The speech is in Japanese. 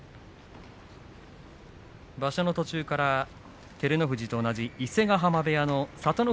場所の途中から照ノ富士と同じ伊勢ヶ濱部屋の聡ノ